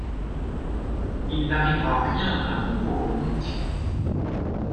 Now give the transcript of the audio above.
Il n’arrivera rien à mon pauvre Nic?...